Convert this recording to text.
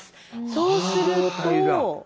そうすると。